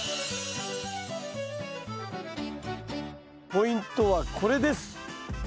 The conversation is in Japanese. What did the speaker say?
ポイントはこれです。